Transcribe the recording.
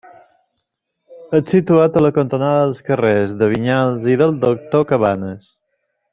És situat a la cantonada dels carrers de Vinyals i del Doctor Cabanes.